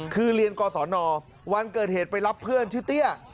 คือเรียนกศนวันเกิดเหตุไปรับเพื่อนชื่อเตี้ย